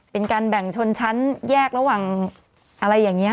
เป็นการแบ่งชนชั้นแยกระหว่างอะไรอย่างนี้